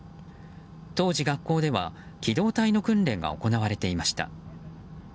当時、学校では機動隊の訓練が行われていました。